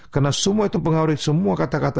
karena semua itu mengawali semua kata kata